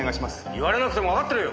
言われなくてもわかってるよ！